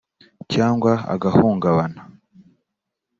cyangwa agahungabana